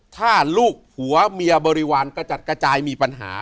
ถ้าลูกผัวเมียบริวารกระจัดกระจายมีปัญหา